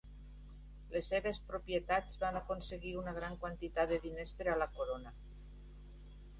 Les seves propietats van aconseguir una gran quantitat de diners per a la corona.